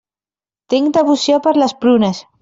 Tinc devoció per les prunes.